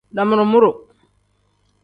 Damuru-muru.